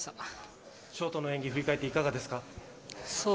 ショートの演技を振り返っていかがですか。